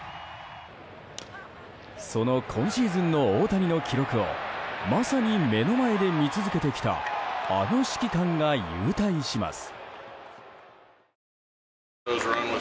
その今シーズンの大谷の記録をまさに目の前で見続けてきたあの指揮官が勇退します。